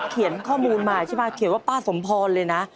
เขียนข้อมูลมาใช่ไหมเขียนว่าป้าสมพรเลยนะ